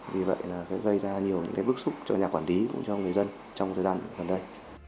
vì vậy gây ra nhiều bước xúc cho nhà quản lý cho người dân trong thời gian gần đây